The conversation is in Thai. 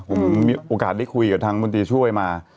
ผมมีโอกาสได้คุยกับทางมนตรีช่วยมา